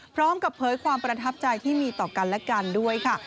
พร้อมกับเผยความประทับใจที่มีต่อกันและกันด้วยค่ะ